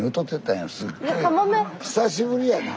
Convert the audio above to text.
久しぶりやな。